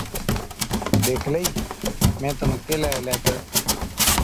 ڏيکلئِي مين تنُون ڪيهلَي هِلَي تہ،